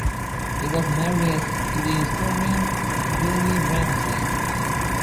He was married to the historian Jully Ramsay.